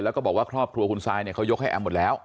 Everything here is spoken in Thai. แล้วก็บอกว่าครอบครัวคุณซายเนี่ยเขายกให้แอมหมดแล้ว